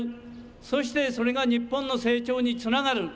そして、それが日本の成長につながる。